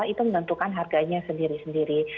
itu menentukan harganya sendiri sendiri